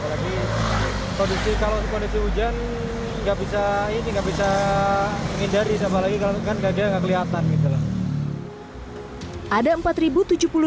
apalagi kondisi hujan nggak bisa menghindari apalagi kalau kan nggak kelihatan gitu lah